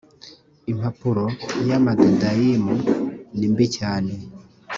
impumuro y amadudayimu ni mbi cyanee